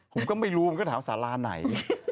ผมก็ไม่รู้มันก็ถามสาราไหน